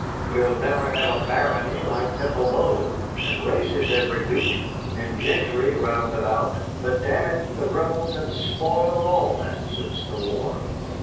"We'll never have a barony like Temple Bow, and races every week, and gentry round about. But, damn it, the Rebels have spoiled all that since the war."